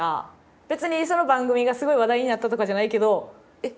別にその番組がすごい話題になったとかじゃないけどえっ